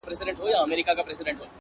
چي تلاوت وي ورته خاندي، موسيقۍ ته ژاړي،